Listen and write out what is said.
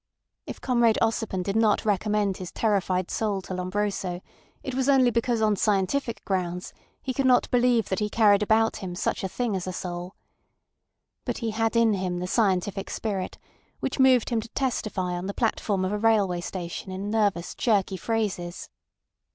... If Comrade Ossipon did not recommend his terrified soul to Lombroso, it was only because on scientific grounds he could not believe that he carried about him such a thing as a soul. But he had in him the scientific spirit, which moved him to testify on the platform of a railway station in nervous jerky phrases.